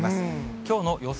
きょうの予想